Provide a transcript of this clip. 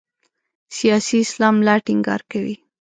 سیاسي اسلام لا ټینګار کوي.